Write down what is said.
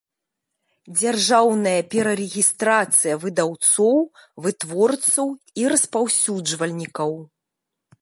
Дзяржаўная перарэгiстрацыя выдаўцоў, вытворцаў i распаўсюджвальнiкаў